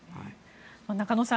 中野さん